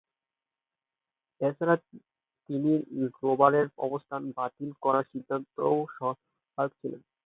এছাড়া, তিনি রোভারের অবস্থান বাতিল করার সিদ্ধান্তেও সহায়ক ছিলেন।